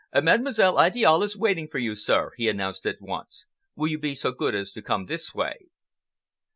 "Mademoiselle Idiale is waiting for you, sir," he announced at once. "Will you be so good as to come this way?"